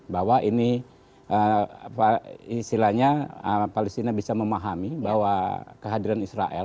bahwa ini istilahnya palestina bisa memahami bahwa kehadiran israel